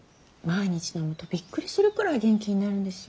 毎日飲むとびっくりするくらい元気になるんですよ。